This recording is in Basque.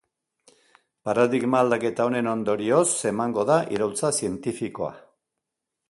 Paradigma aldaketa honen ondorioz emango da iraultza zientifikoa.